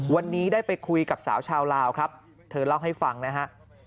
วันนี้ได้ไปคุยกับสาวชาวลาวครับเธอเล่าให้ฟังนะฮะ